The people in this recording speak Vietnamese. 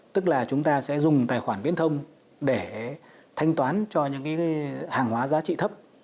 tức là chúng ta sẽ dùng tài khoản viễn thông để thanh toán cho những hàng hóa giá trị thấp